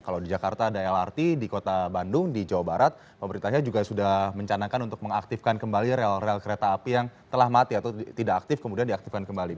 kalau di jakarta ada lrt di kota bandung di jawa barat pemerintahnya juga sudah mencanangkan untuk mengaktifkan kembali rel rel kereta api yang telah mati atau tidak aktif kemudian diaktifkan kembali